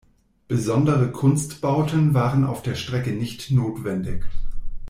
Besondere Kunstbauten waren auf der Strecke nicht notwendig.